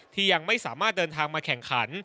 ยังไม่สามารถเดินทางมาแข่งขัน